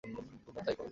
ব্রহ্মা তা-ই করলেন।